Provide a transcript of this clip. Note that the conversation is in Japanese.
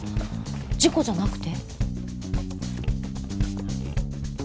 事故じゃなくて？